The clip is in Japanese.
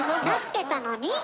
なってたのに？